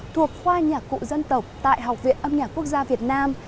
thuộc khoa nhạc cụ dân tộc tại học viện âm nhạc quốc gia việt nam